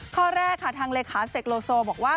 ข้อแรกค่ะทางเลขาเสกโลโซบอกว่า